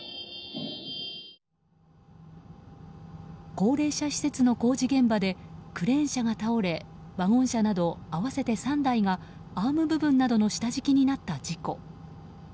高齢者施設の工事現場でクレーン車が倒れワゴン車など合わせて３台がアーム部分などの下敷きになった事故。